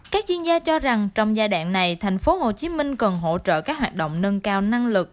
các chuyên gia cho rằng trong giai đoạn này thành phố hồ chí minh cần hỗ trợ các hoạt động nâng cao năng lực